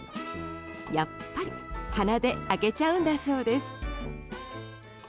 やっぱり鼻で開けちゃうんだそうです。